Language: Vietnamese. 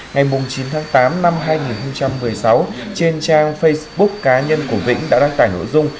ngày chín tháng tám năm hai nghìn một mươi sáu trên trang facebook cá nhân của vĩnh đã đăng tải nội dung